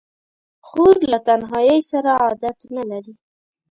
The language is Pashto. خور له تنهایۍ سره عادت نه لري.